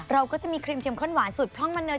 เราก็จะมีครีมเพียมข้นหวอสสูตรพร้อมมันเนย